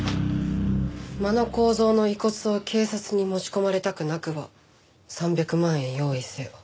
「真野晃三の遺骨を警察に持ち込まれたくなくば参百萬圓用意せよ」。